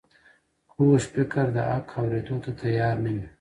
کوږ فکر د حق اورېدو ته تیار نه وي